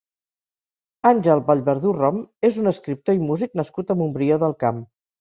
Àngel Vallverdú Rom és un escriptor i músic nascut a Montbrió del Camp.